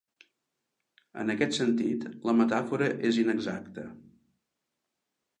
En aquest sentit, la metàfora és inexacta.